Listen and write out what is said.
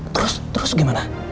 terus terus gimana